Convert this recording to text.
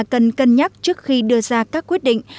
cần cân nhắc trước khi đưa ra các quyết định